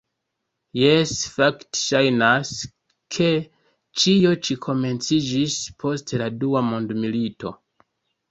Jes, fakte ŝajnas, ke ĉio ĉi komenciĝis post la dua mondmilito.